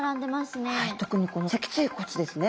特にこの脊椎骨ですね。